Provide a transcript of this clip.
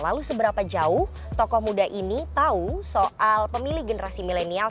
lalu seberapa jauh tokoh muda ini tahu soal pemilih generasi milenial